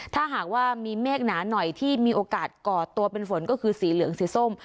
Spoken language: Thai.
ถ้าหากว่ามีเมฆหนาหน่อยที่มีโอกาสก่อตัวเป็นฝนก็คือสีเหลืองสีส้ม